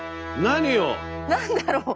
何だろう？